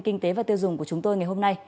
kinh tế và tiêu dùng của chúng tôi ngày hôm nay